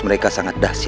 lengas dengan aku